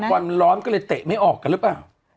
หลังวันมันร้อนก็เลยเตะไม่ออกกันหรือเปล่า